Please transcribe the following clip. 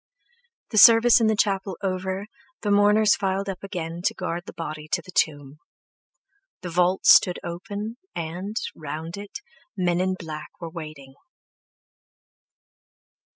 The service in the chapel over, the mourners filed up again to guard the body to the tomb. The vault stood open, and, round it, men in black were waiting.